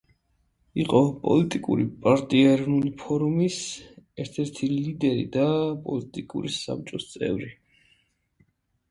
იყო პოლიტიკური პარტია „ეროვნული ფორუმის“ ერთ-ერთი ლიდერი და პოლიტიკური საბჭოს წევრი.